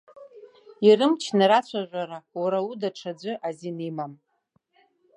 Ирымчны рацәажәара, уара уда, ҽаӡәы азин имам.